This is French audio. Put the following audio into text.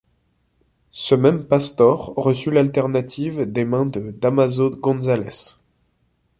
Ce même Pastor reçut l'alternative des mains de Dámaso González.